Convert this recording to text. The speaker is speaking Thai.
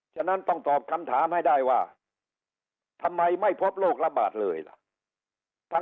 ฉะนั้นต้องตอบคำถามให้ได้ว่าทำไมไม่พบโรคระบาดเลยล่ะ